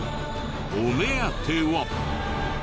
お目当ては。